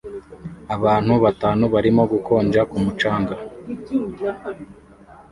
Abantu batanu barimo gukonja ku mucanga